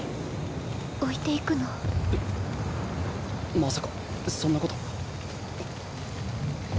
まさかそんなこと。